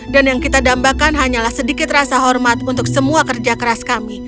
dan yang kita dambakan hanyalah sedikit rasa hormat untuk semua keras kami